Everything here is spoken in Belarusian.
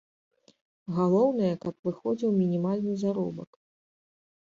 Галоўнае, каб выходзіў мінімальны заробак.